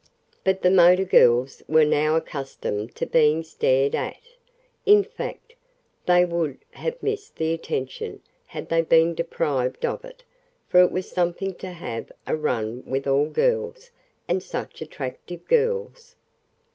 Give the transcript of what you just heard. But the motor girls were now accustomed to being stared at; in fact, they would have missed the attention had they been deprived of it, for it was something to have a run with all girls and such attractive girls.